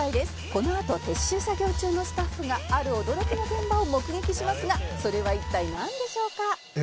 「このあと撤収作業中のスタッフがある驚きの現場を目撃しますがそれは一体なんでしょうか？」